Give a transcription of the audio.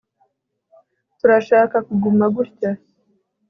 Turashaka kuguma gutya